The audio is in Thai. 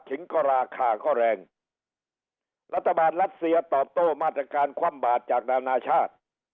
ถึงก็ราคาก็แรงรัฐบาลรัสเซียตอบโต้มาตรการคว่ำบาดจากนานาชาติ